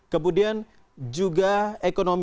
kemudian juga ekonomi